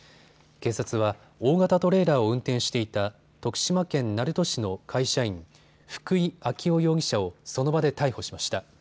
警察は大型トレーラーを運転していた徳島県鳴門市の会社員、福井暁生容疑者をその場で逮捕しました。